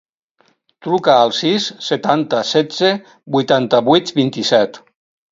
Truca al sis, setanta, setze, vuitanta-vuit, vint-i-set.